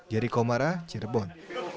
dari komara cirebon